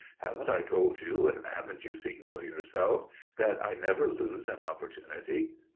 "Haven't I told you, and haven't you seen for yourself, that I never lose an opportunity?